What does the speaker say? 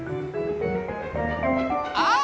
あっ！